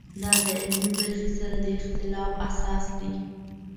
دا د علمي برخې سره د اختلاف اساس دی.